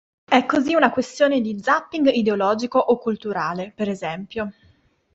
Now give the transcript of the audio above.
È così una questione di "zapping ideologico" o "culturale", per esempio.